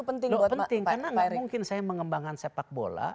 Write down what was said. karena enggak mungkin saya mengembangkan sepak bola